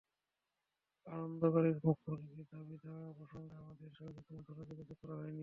আন্দোলনকারীদের পক্ষ থেকে দাবিদাওয়া প্রসঙ্গে আমাদের সঙ্গে কোনো ধরনের যোগাযোগ করা হয়নি।